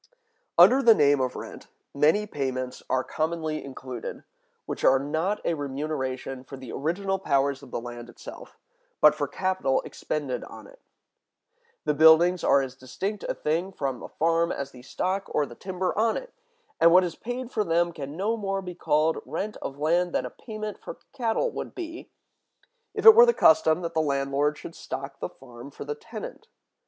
Under the name of rent, many payments are commonly included, which are not a remuneration for the original powers of the land itself, but for capital expended on it. The buildings are as distinct a thing from the farm as the stock or the timber on it; and what is paid for them can no more be called rent of land than a payment for cattle would be, if it were the custom that the landlord should stock the farm for the tenant.